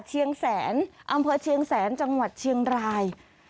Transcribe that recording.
เชียงแสนอำเภอเชียงแสนจังหวัดเชียงราย